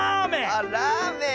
あっラーメン？